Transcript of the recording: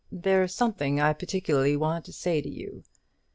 There's something I particularly want to say to you.